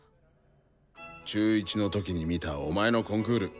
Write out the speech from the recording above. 中１の時に見たお前のコンクール。